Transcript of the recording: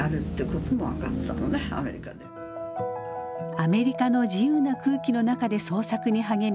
アメリカの自由な空気の中で創作に励み